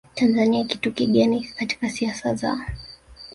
Tanzania kitu kigeni katika siasa za